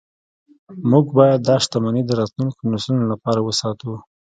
موږ باید دا شتمني د راتلونکو نسلونو لپاره وساتو